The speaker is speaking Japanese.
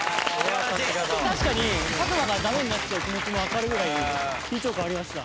確かに作間がダメになっちゃう気持ちもわかるぐらい緊張感ありました。